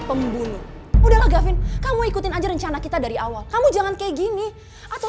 pembunuh udahlah gavin kamu ikutin aja rencana kita dari awal kamu jangan kayak gini atau